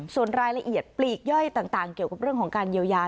ส่วนรายละเอียดปลีกย่อยต่างเกี่ยวกับเรื่องของการเยียวยา